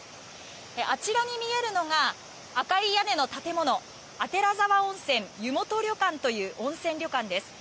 あちらに見えるのが赤い屋根の建物左沢温泉湯本旅館という温泉旅館です。